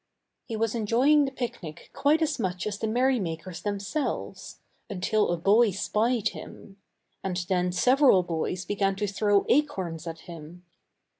He was enjoying the picnic quite as much as the merry makers themselves until a boy spied him. And then several boys began to throw acorns at him.